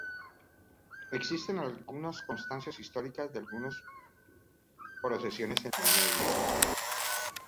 Existe constancia histórica de algunas procesiones en la Edad Media.